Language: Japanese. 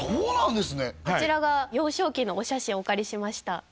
はいこちらが幼少期のお写真お借りしました